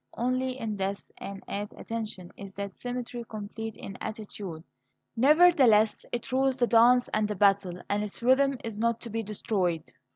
Only in death and "at attention" is that symmetry complete in attitude. Nevertheless, it rules the dance and the battle, and its rhythm is not to be destroyed.